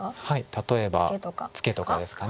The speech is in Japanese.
例えばツケとかですか。